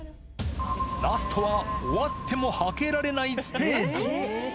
ラストは、終わってもはけられないステージ。